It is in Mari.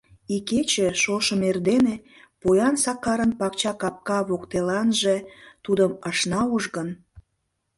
Икече, шошым эрдене, поян Сакарын пакча капка воктеланже тудым ышна уж гын?